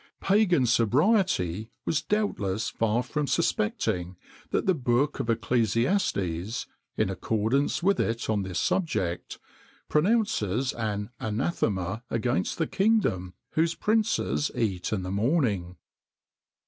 [XXIX 31] Pagan sobriety was doubtless far from suspecting that the Book of Ecclesiastes, in accordance with it on this subject, pronounces an anathema against the kingdom whose princes eat in the morning.